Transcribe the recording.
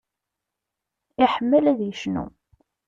Iḥemmel ad yecnu.